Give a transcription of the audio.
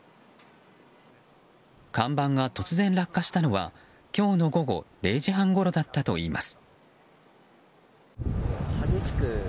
看板が突然落下したのは、今日の午後０時半ごろだったといいます。